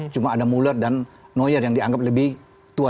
cuma ada muller dan lawyer yang dianggap lebih tua